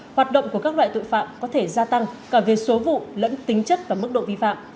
hoạt động của các loại tội phạm có thể gia tăng cả về số vụ lẫn tính chất và mức độ vi phạm